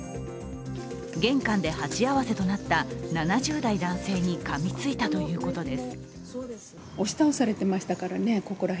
玄関で鉢合わせとなった７０代男性にかみついたということです。